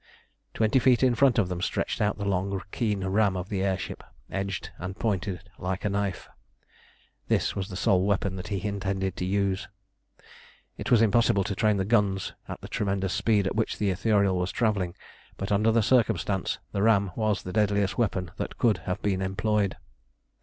Twenty feet in front of them stretched out the long keen ram of the air ship, edged and pointed like a knife. This was the sole weapon that he intended to use. It was impossible to train the guns at the tremendous speed at which the Ithuriel was travelling, but under the circumstance the ram was the deadliest weapon that could have been employed.